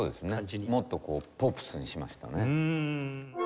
もっとこうポップスにしましたね。